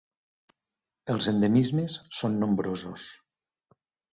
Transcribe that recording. Els endemismes són nombrosos.